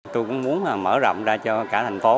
tôi cũng muốn mở rộng ra cho cả thành phố